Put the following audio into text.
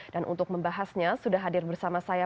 dan untuk membahasnya sudah hadir bersama saya